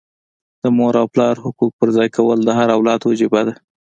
د مور او پلار حقوق پرځای کول د هر اولاد وجیبه ده.